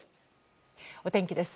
お天気です。